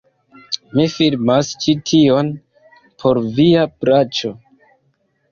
Mi filmas ĉi tion por via plaĉo...